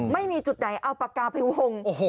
ไม่มีจุดไหนเอาปากกาไปวง